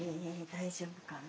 大丈夫かな。